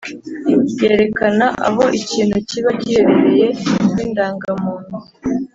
yerekana aho ikintu kiba giherereye ni indangahantu.